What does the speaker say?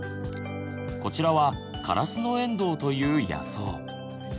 こちらは「カラスノエンドウ」という野草。